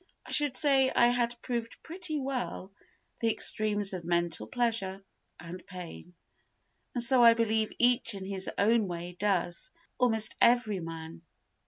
I should say I had proved pretty well the extremes of mental pleasure and pain; and so I believe each in his own way does, almost every man.